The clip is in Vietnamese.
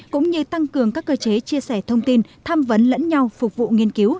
cũng như tăng cường các cơ chế chia sẻ thông tin tham vấn lẫn nhau phục vụ nghiên cứu